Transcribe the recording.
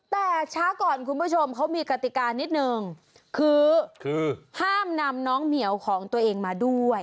แต่ช้าก่อนคุณผู้ชมเขามีกติกานิดนึงคือห้ามนำน้องเหมียวของตัวเองมาด้วย